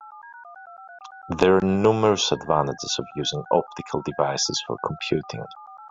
There are numerous advantages of using optical devices for computing.